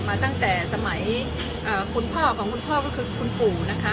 มาตั้งแต่สมัยคุณพ่อของคุณพ่อก็คือคุณปู่นะคะ